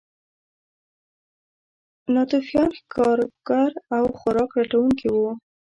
ناتوفیان ښکارګر او خوراک لټونکي وو.